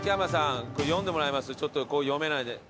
ちょっと読めないんで。